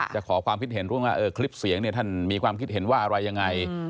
จะขอความคิดเห็นร่วมที่คลิปเสียงมีความคิดเห็นว่าอะไรอย่างไร